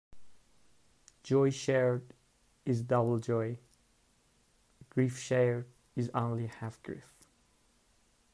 Joy shared is double joy; grief shared is only half grief.